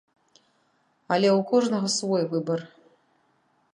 Але ў кожнага свой выбар.